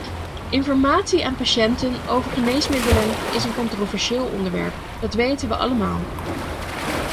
Informatie aan patiënten over geneesmiddelen is een controversieel onderwerp, dat weten we allemaal.